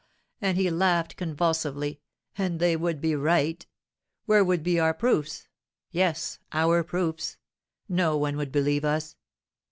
and he laughed convulsively, "and they would be right. Where would be our proofs? yes, our proofs? No one would believe us.